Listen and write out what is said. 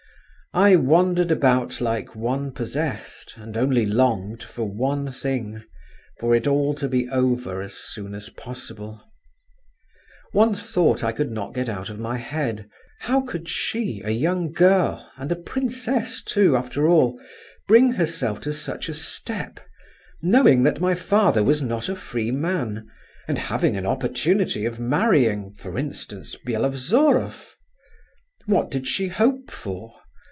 I wandered about like one possessed, and only longed for one thing, for it all to be over as soon as possible. One thought I could not get out of my head: how could she, a young girl, and a princess too, after all, bring herself to such a step, knowing that my father was not a free man, and having an opportunity of marrying, for instance, Byelovzorov? What did she hope for?